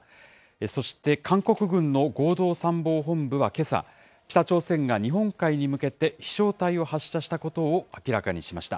そして韓国軍の合同参謀本部はけさ、北朝鮮が日本海に向けて飛しょう体を発射したことを明らかにしました。